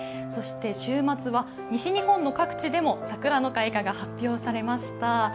そして週末は西日本の各地でも桜の開花が発表されました。